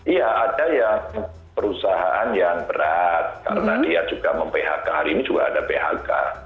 iya ada yang perusahaan yang berat karena dia juga mem phk hari ini juga ada phk